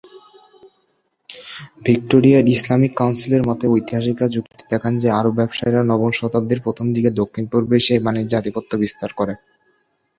ভিক্টোরিয়ার ইসলামিক কাউন্সিলের মতে, ঐতিহাসিকরা যুক্তি দেখান যে আরব ব্যবসায়ীরা নবম শতাব্দীর প্রথম দিকে দক্ষিণ-পূর্ব এশিয়ায় বাণিজ্যে আধিপত্য বিস্তার করে।